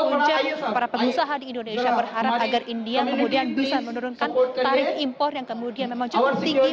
namun para pengusaha di indonesia berharap agar india kemudian bisa menurunkan tarif impor yang kemudian memang jauh tinggi